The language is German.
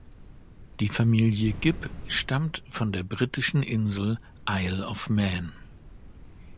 Die Familie Gibb stammt von der britischen Insel "Isle of Man".